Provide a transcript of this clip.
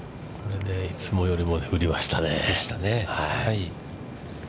いつもよりも振りましたね。